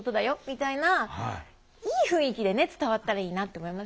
みたいないい雰囲気で伝わったらいいなって思いますよね。